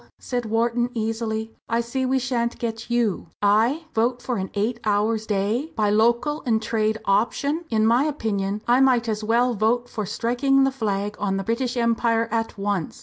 said Wharton, easily, "I see we shan't get you." "I! vote for an eight hours day, by local and trade option! In my opinion I might as well vote for striking the flag on the British Empire at once!